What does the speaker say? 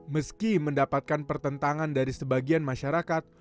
meski mendapatkan pertentangan dari sebagian masyarakat